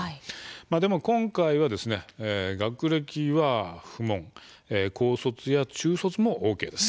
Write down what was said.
でも今回は学歴は不問高卒や中卒もＯＫです。